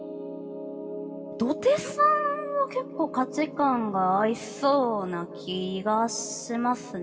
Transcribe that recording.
どてさんは結構価値観が合いそうな気がしますね。